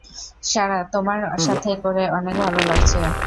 সারা, তোমার সাথে করে অনেক ভালো লাগছে।